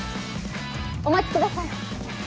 お待ちください